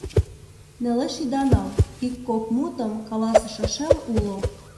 Нелеш ида нал, ик-кок мутым каласышашем уло.